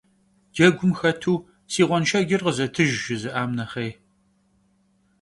Cegum xetu «Si ğuenşşecır khızetıjj» jjızı'am nexhêy.